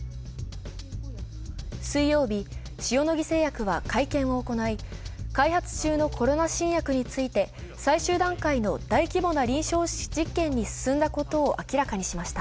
水曜日、塩野義製薬は会見を行い、開発中のコロナ新薬について最終段階の大規模な臨床実験に進んだことを明らかにしました。